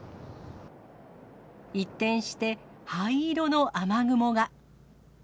一転して、灰色の雨雲が。